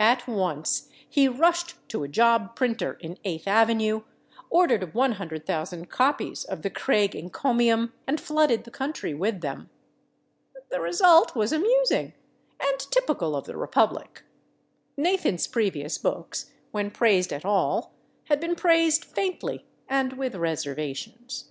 At once he rushed to a job printer in Eighth avenue, ordered 100,000 copies of the Craig encomium, and flooded the country with them. The result was amusing, and typical of the republic. Nathan's previous books, when praised at all, had been praised faintly and with reservations.